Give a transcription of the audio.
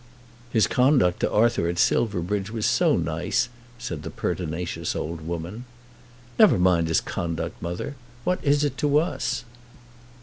"His conduct to Arthur at Silverbridge was so nice!" said the pertinacious old woman. "Never mind his conduct, mother. What is it to us?"